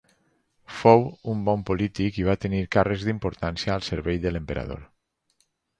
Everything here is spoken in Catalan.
Fou un bon polític i va tenir càrrecs d'importància al servei de l'emperador.